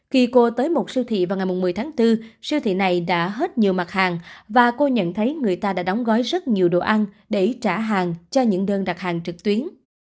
khi cô tới một siêu thị vào ngày một mươi tháng bốn siêu thị này đã hết nhiều mặt hàng và cô nhận thấy người ta đã đóng gói rất nhiều đồ ăn để trả hàng cho những đơn đặt hàng trực tuyến